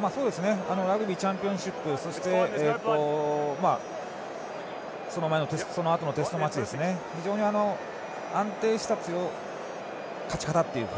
ラグビーチャンピオンシップそしてそのあとのテストマッチも非常に安定した勝ち方というか。